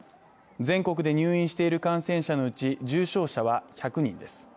全国で入院している感染者のうち重症者は１００人です。